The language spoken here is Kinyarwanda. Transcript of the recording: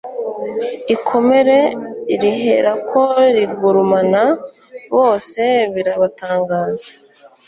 ikome riherako rigurumana, bose birabatangaza